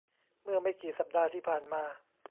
เมื่อไม่กี่สัปดาห์ที่ผ่านมา